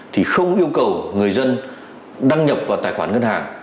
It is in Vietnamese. thì không yêu cầu người dân đăng nhập vào tài khoản ngân hàng